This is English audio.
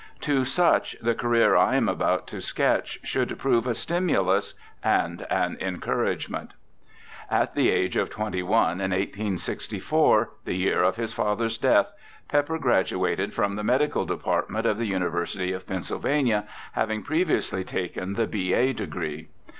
To such the career I am about to sketch should prove a stimulus and an encouragement. At the age of 21, in 1864, the year of his father's death. Pepper graduated from the Medical Department of the University of Pennsylvania, having previously taken the B.A. degree.